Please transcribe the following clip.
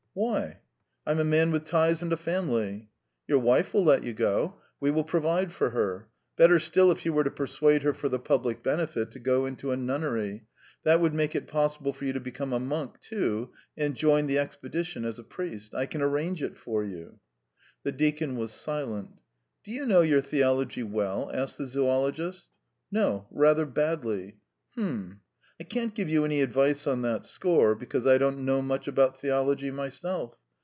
"Why?" "I'm a man with ties and a family." "Your wife will let you go; we will provide for her. Better still if you were to persuade her for the public benefit to go into a nunnery; that would make it possible for you to become a monk, too, and join the expedition as a priest. I can arrange it for you." The deacon was silent. "Do you know your theology well?" asked the zoologist. "No, rather badly." "H'm! ... I can't give you any advice on that score, because I don't know much about theology myself.